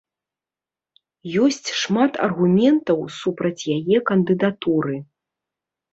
Ёсць шмат аргументаў супраць яе кандыдатуры.